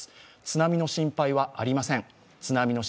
津波の心配はありません。